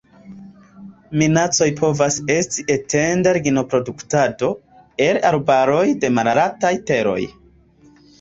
Minacoj povas esti etenda lignoproduktado el arbaroj de malaltaj teroj.